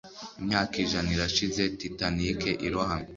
Imyaka ijana irashize Titanic irohamye